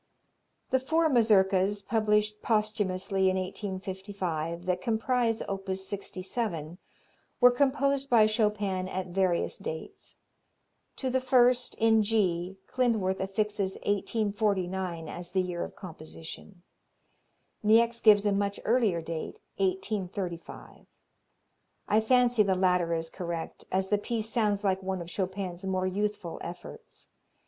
The four Mazurkas, published posthumously in 1855, that comprise op. 67 were composed by Chopin at various dates. To the first, in G, Klindworth affixes 1849 as the year of composition. Niecks gives a much earlier date, 1835. I fancy the latter is correct, as the piece sounds like one of Chopin's more youthful efforts.